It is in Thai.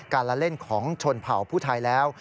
ละเล่นของชนเผ่าผู้ไทยแล้ว